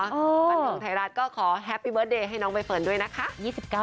ของไทยรัฐก็ขอแฮปปี้เบอร์สเดย์ให้น้องไปฝนด้วยนะคะ